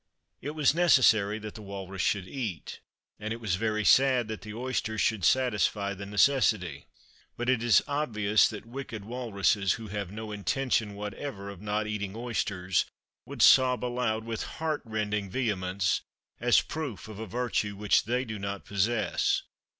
It was necessary that the walrus should eat, and it was very sad that the oysters should satisfy the necessity. But it is obvious that wicked walruses who have no intention whatever of not eating oysters would sob aloud with heart rending vehemence as proof of a virtue which they do not possess.